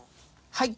はい。